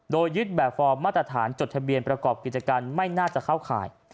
โดยยึดแบบฟอร์มมาตรฐานจดทะเบียนประกอบกิจการไม่น่าจะเข้าข่าย